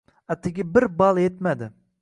atigi bir bal yetmadi.